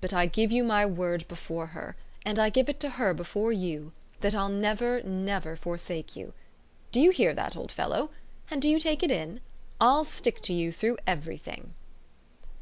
But I give you my word before her, and I give it to her before you, that I'll never, never, forsake you. Do you hear that, old fellow, and do you take it in? I'll stick to you through everything."